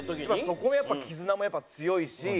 そこはやっぱ絆もやっぱ強いし。